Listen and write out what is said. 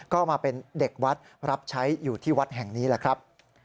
ก็มาเป็นเด็กวัดรับใช้อยู่ที่วัดแห่งนี้แหละครับ